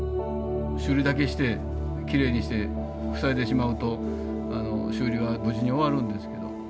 修理だけしてきれいにして塞いでしまうと修理は無事に終わるんですけど。